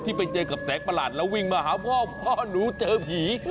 ไปเจอกับแสงประหลาดแล้ววิ่งมาหาพ่อพ่อหนูเจอผี